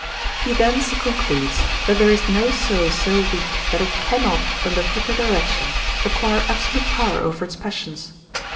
He thence concludes, that there is no soul so weak, that it cannot, under proper direction, acquire absolute power over its passions.